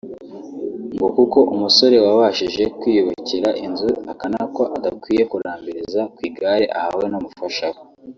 ngo kuko umusore wabashije kwiyubakira inzu akanakwa adakwiye kurambiriza ku igare ahawe n’umufasha we